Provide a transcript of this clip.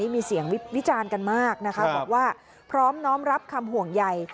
มีเสียงวิจารณ์กันมากนะคะบอกว่าพร้อมน้อมรับคำห่วงใหญ่